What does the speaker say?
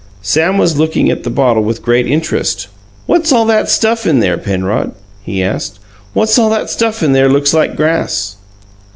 Sam was looking at the bottle with great interest. "What's all that stuff in there, Penrod?" he asked. "What's all that stuff in there looks like grass?"